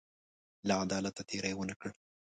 له عدالته تېری ونه کړ.